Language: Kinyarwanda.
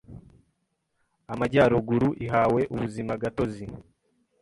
Amajyaruguru ihawe Ubuzimagatozi